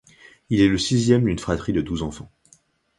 Il est le sixième d'une fratrie de douze enfants.